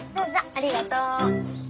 ありがとう。